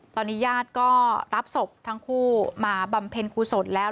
ตอนนี้ญาติก็รับศพทั้งคู่มาบำเพ็ญกุศลแล้ว